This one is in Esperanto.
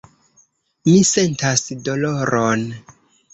Mi sentas doloron.